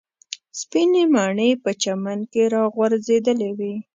سپینې مڼې په چمن کې راغورځېدلې وې.